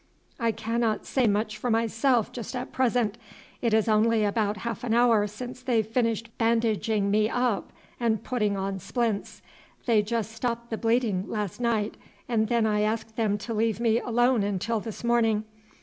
"I cannot say much for myself just at present; it is only about half an hour since they finished bandaging me up and putting on splints; they just stopped the bleeding last night, and then I asked them to leave me alone until this morning.